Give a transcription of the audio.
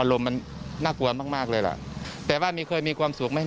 ลมมันน่ากลัวมากมากเลยล่ะแต่ว่ามีเคยมีความสุขไหม